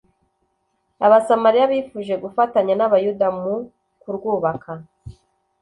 Abasamariya bifuje gufatanya n’Abayuda mu kurwubaka.